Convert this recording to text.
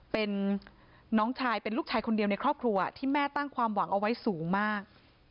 เป็นน้องชายเป็นลูกชายคนเดียวในครอบครัวที่แม่ตั้งความหวังเอาไว้สูงมาก